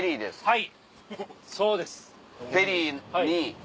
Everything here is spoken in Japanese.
はい。